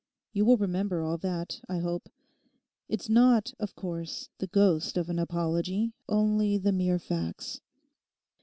You will remember all that, I hope. It's not, of course, the ghost of an apology, only the mere facts.